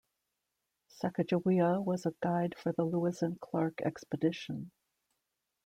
Sacagawea was a guide for the Lewis and Clark Expedition.